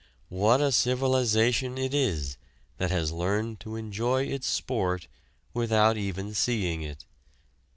What a civilization it is that has learned to enjoy its sport without even seeing it!